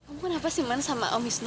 kamu kenapa sih emang sama om hizno